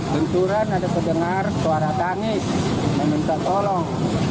benturan ada terdengar suara tangis dan minta tolong